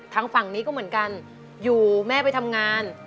ทางฝั่งนี้ก็เหมือนกันอยู่แม่ไปทำงาน